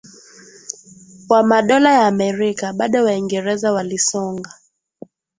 wa Madola ya Amerika Bado Waingereza walisonga